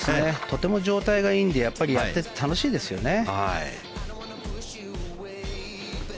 とても状態がいいのでやっぱりやってて楽しいんですよね。